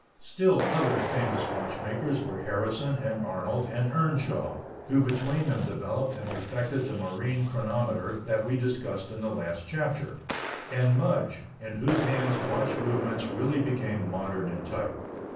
Still other famous watchmakers were Harrison and Arnold and Earnshaw, who between them developed and perfected the marine chronometer that we discussed in the last chapter; and Mudge, in whose hands watch movements really became modern in type.